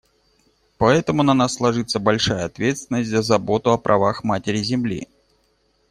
Поэтому на нас ложится большая ответственность за заботу о правах Матери-Земли.